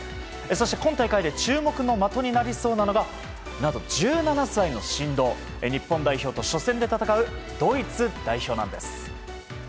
そして今大会で注目の的になりそうなのが１７歳の神童日本代表と初戦で戦うドイツ代表なんです。